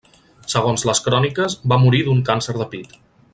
Segons les cròniques, va morir d'un càncer de pit.